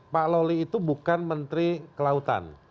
pak loli itu bukan menteri kelautan